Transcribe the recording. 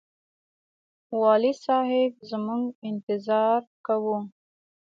والي صاحب زموږ انتظار کاوه.